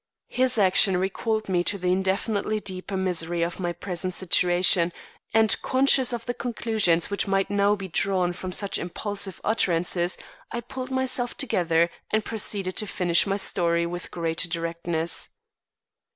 His action recalled me to the infinitely deeper misery of my present situation, and conscious of the conclusions which might be drawn from such impulsive utterances, I pulled myself together and proceeded to finish my story with greater directness.